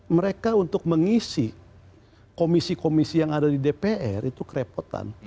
mereka untuk mengisi komisi komisi yang ada di dpr itu kerepotan